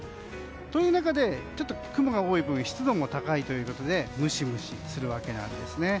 という中で、ちょっと雲が多い分湿度が高いということでムシムシするんですね。